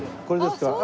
これですか？